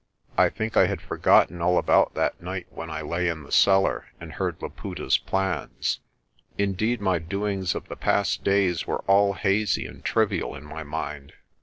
I think I had forgotten all about that night when I lay in the cellar and heard Laputa's plans. Indeed my doings of the past days were all hazy and trivial in my mind.